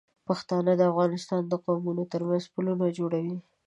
پښتانه د افغانستان د قومونو تر منځ پلونه جوړوي.